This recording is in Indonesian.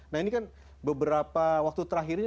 nah ini kan beberapa waktu terakhir ini